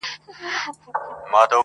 • زما زنده گي وخوړه زې وخوړم.